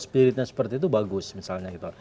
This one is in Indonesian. spiritnya seperti itu bagus misalnya gitu